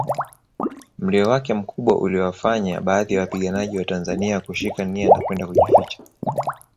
Mlio wake mkubwa uliwafanya baadhi ya wapiganaji watanzania kushika nia na kwenda kujificha